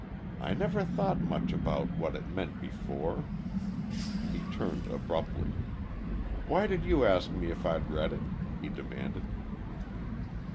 "I never thought much about what it meant before...." He turned, abruptly. "Why did you ask me if I'd read it?" he demanded.